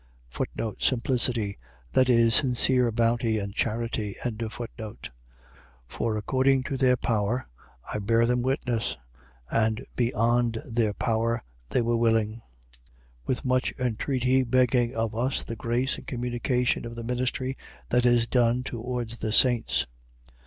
Simplicity. . .That is, sincere bounty and charity. 8:3. For according to their power (I bear them witness) and beyond their power, they were willing: 8:4. With much entreaty begging of us the grace and communication of the ministry that is done toward the saints.